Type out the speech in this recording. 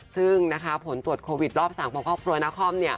ซึ่งผลตรวจโควิด๑๙รอบสามพร้อมครอบครัวนาคอม